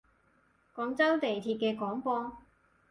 廣州地鐵嘅廣播